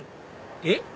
えっ？